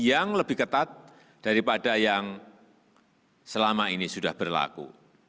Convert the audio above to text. yang lebih ketat daripada yang selama ini sudah berlaku